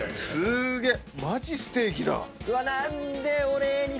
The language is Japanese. すげえ！